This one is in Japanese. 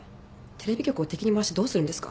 テレビ局を敵に回してどうするんですか。